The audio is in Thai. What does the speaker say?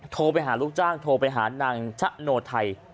โทรไปหาลูกจ้างโทรไปหานางชะโนไทย